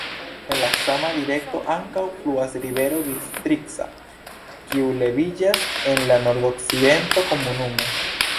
En la sama direkto ankaŭ fluas rivero Bistrica, kiu leviĝas en la nordokcidento komunumo.